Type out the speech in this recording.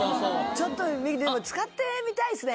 ちょっと使ってみたいですね。